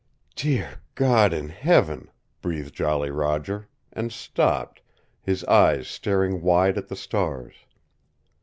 "Dear God in Heaven," breathed Jolly Roger, and stopped, his eyes staring wide at the stars.